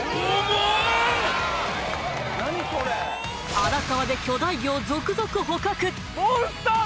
荒川で巨大魚を続々捕獲！